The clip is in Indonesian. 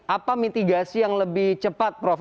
apa mitigasi yang lebih cepat prof